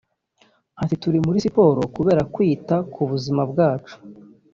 Ati “Turi muri siporo kubera kwita ku buzima bwacu